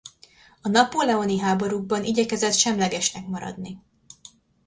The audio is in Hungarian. A napóleoni háborúkban igyekezett semlegesnek maradni.